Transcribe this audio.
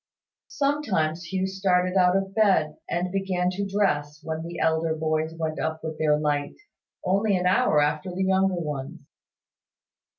Sometimes Hugh started out of bed, and began to dress, when the elder boys went up with their light, only an hour after the younger ones.